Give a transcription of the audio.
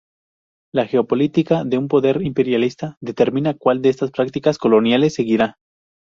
La geopolítica de un poder imperialista determina cuál de estas prácticas coloniales seguirá.